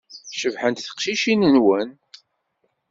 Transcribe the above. Cebḥent teqcicin-nwen.